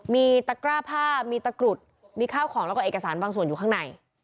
มีตะกร้าผ้ามีตะกรุดมีข้าวของแล้วก็เอกสารบางส่วนอยู่ข้างใน